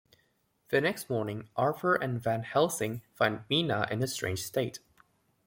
The next morning, Arthur and Van Helsing find Mina in a strange state.